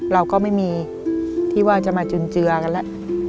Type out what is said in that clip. เราก็ไม่มีที่ว่าจะมาจุนเจือกันแล้ว